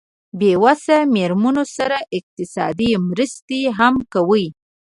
بې وسه مېرمنو سره اقتصادي مرستې هم کوي.